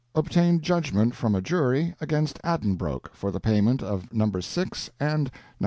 obtained judgment from a jury against Addenbroke for the payment of No. 6, and No.